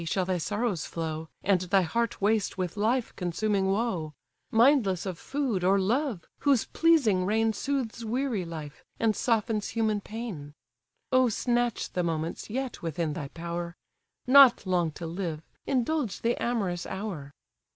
shall thy sorrows flow, And thy heart waste with life consuming woe: Mindless of food, or love, whose pleasing reign Soothes weary life, and softens human pain? O snatch the moments yet within thy power; Not long to live, indulge the amorous hour!